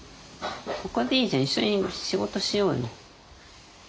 ここでいいじゃん一緒に仕事しようよ。